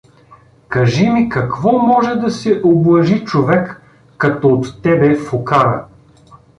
Кажи ми какво може да се облажи човек като от тебе фукара?